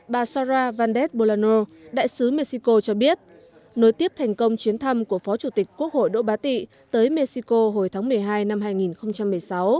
bà sara vandez bullano đại sứ mexico cho biết nối tiếp thành công chuyến thăm của phó chủ tịch quốc hội đỗ bá tị tới mexico hồi tháng một mươi hai năm hai nghìn một mươi sáu